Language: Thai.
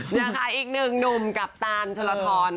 นี่ค่ะอีกหนึ่งหนุ่มกัปตันชลทร